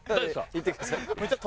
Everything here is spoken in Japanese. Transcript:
いってください。